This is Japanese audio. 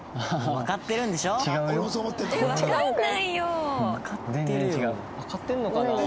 わかってんのかな？